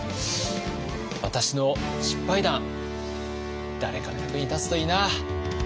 私の失敗談誰かの役に立つといいな。